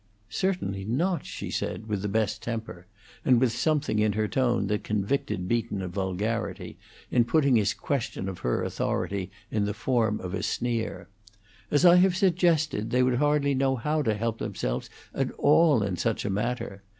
"Certainly not," she said, with the best temper, and with something in her tone that convicted Beaton of vulgarity, in putting his question of her authority in the form of a sneer. "As I have suggested, they would hardly know how to help themselves at all in such a matter.